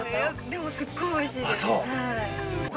でも、すっごいおいしいです。